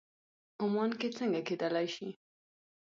عمان کې څنګه کېدلی شي.